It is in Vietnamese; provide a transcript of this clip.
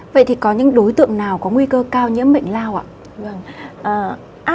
vậy thì có những đối tượng nào có nguy cơ cao nhiễm bệnh lao ạ